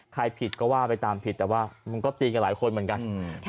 ผิดก็ว่าไปตามผิดแต่ว่ามันก็ตีกันหลายคนเหมือนกัน